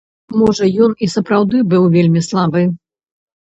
Можа ён і сапраўды быў вельмі слабы.